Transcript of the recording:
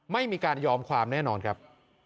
ไม่ยอมความแน่นอนครับ